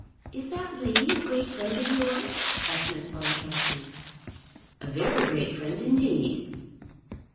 "Is that lady a great friend of yours?" asked Miss Boncassen. "A very great friend indeed."